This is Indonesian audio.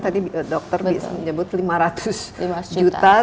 dokter menyebut lima ratus juta